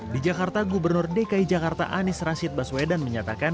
di jakarta gubernur dki jakarta anies rashid baswedan menyatakan